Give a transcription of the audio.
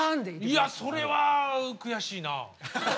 いやそれは悔しいな。